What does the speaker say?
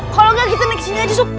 kalo gak kita naik kesini aja sob